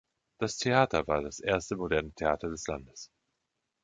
Das Theater war das erste moderne Theater des Landes.